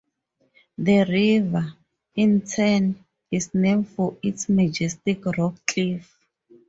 The river, in turn, is named for its majestic rock cliffs.